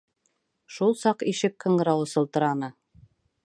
Шул саҡ ишек ҡыңғырауы сылтыраны.